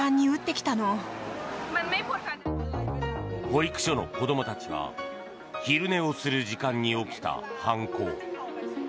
保育所の子どもたちが昼寝をする時間に起きた犯行。